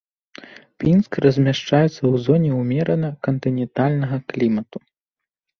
Пінск размяшчаецца ў зоне ўмерана кантынентальнага клімату.